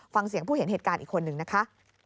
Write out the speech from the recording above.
ฟังเสียงผู้เห็นเหตุการณ์อีกคนนึงนะคะ